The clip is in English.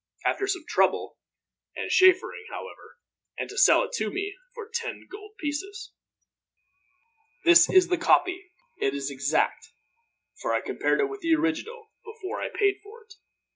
After some trouble and chaffering, however, he agreed to make me an exact copy, and to sell it me for ten gold pieces. "This is the copy. It is exact, for I compared it with the original, before I paid for it.